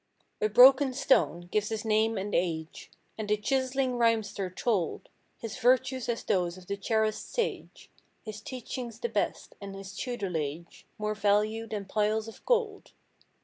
A broken stone gives his name and age; And the chis'ling rhymster told His virtues as those of the cherished sage; His teachings the best, and his tutelage More value than piles of gold.